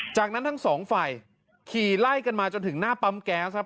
จากนั้นทั้งสองฝ่ายขี่ไล่กันมาจนถึงหน้าปั๊มแก๊สครับ